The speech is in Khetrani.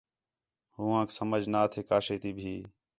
ہو ہانک سمجھ نہ تھے کا شے تی بھی